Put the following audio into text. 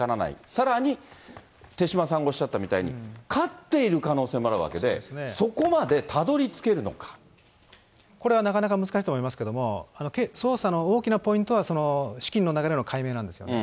さらに、手嶋さんがおっしゃったみたいに、勝っている可能性もあるわけで、これはなかなか難しいと思いますけれども、捜査の大きなポイントは、その資金の流れの解明なんですよね。